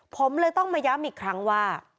ผมเลยต้องมาย้ำอีกครั้งว่า